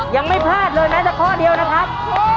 ยังไม่พลาดเลยแม้แต่ข้อเดียวนะครับ